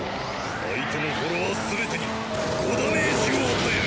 相手のフォロワーすべてに５ダメージを与える！